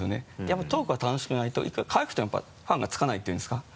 やっぱトークが楽しくないといくらかわいくてもやっぱファンがつかないっていうんですか？